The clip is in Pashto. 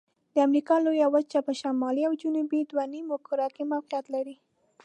د امریکا لویه وچه په شمالي او جنوبي دوه نیمو کرو کې موقعیت لري.